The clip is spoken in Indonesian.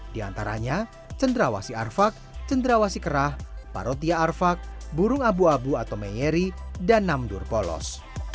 di antaranya cendrawasi arfak cenderawasi kerah parotia arfak burung abu abu atau meyeri dan namdur polos